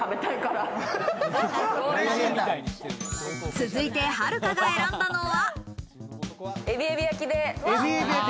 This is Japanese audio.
続いて、はるかが選んだのは。